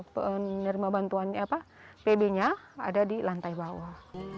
penerima bantuan pb nya ada di lantai bawah